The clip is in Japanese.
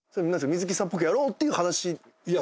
水木さんっぽくやろうっていう話。